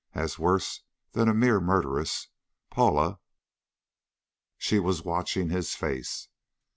As worse than a mere murderess, Paula.... She was watching his face.